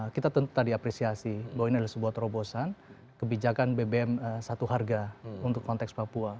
kita tentu tadi apresiasi bahwa ini adalah sebuah terobosan kebijakan bbm satu harga untuk konteks papua